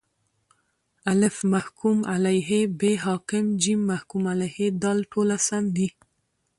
الف: محکوم علیه ب: حاکم ج: محکوم علیه د: ټوله سم دي